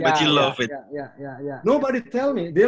tidak ada yang memberitahu saya